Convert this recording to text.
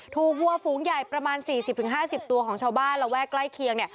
วัวฝูงใหญ่ประมาณ๔๐๕๐ตัวของชาวบ้านระแวกใกล้เคียงเนี่ย